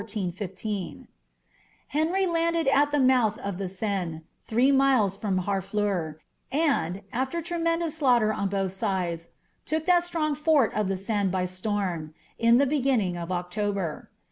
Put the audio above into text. *' landed at the mouth of the Seine, three miles from Harfleuri r tremendous slaughter on both sides, took that strong fort of * by storm, in the beginning of October.